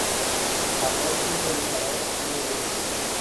Amor sense interès no hi és.